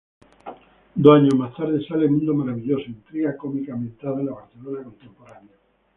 Dos años más tarde sale "Mundo maravilloso", intriga cómica ambientada en la Barcelona contemporánea.